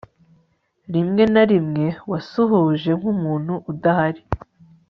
Rimwe na rimwe wasuhuje nkumuntu udahari